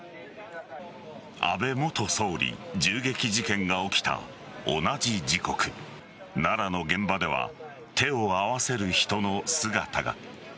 安倍元総理銃撃事件が起きた同じ時刻奈良の現場では手を合わせる人の姿が。